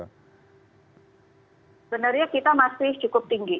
sebenarnya kita masih cukup tinggi